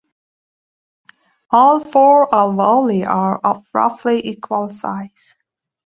All four alveoli are of roughly equal size.